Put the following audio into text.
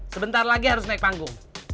sebentar lagi harus naik panggung